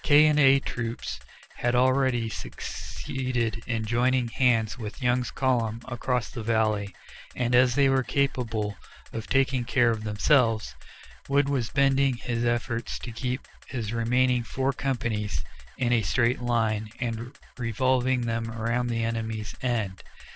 K and A Troops had already succeeded in joining hands with Young's column across the valley, and as they were capable of taking care of themselves, Wood was bending his efforts to keep his remaining four companies in a straight line and revolving them around the enemy's "end."